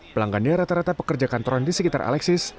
pelanggannya rata rata pekerja kantoran di sekitar alexis